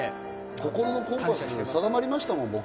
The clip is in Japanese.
心のコンパス、僕、定まりましたもん。